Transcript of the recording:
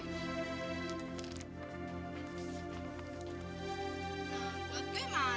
nah buat gue mana